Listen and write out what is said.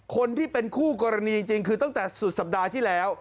คนที่เป็นคู่กรณีจริงคือตั้งแต่สุดสัปดาห์ที่แล้ว